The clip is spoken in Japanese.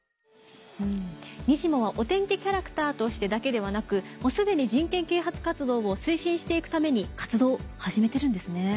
にじモはお天気キャラクターとしてだけではなくもうすでに人権啓発活動を推進して行くために活動を始めてるんですね。